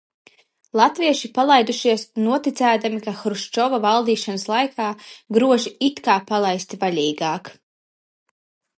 Latvieši palaidušies noticēdami, ka Hruščova valdīšanas laikā groži it kā palaisti vaļīgāk.